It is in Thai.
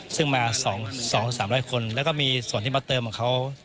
ซึ่งมาสองสามร้อยคนแล้วก็มีส่วนที่มาเติมของเขา